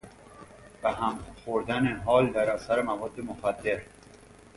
به هم خوردن حال در اثر مواد مخدر